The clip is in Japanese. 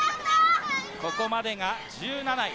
ここまでが１７位。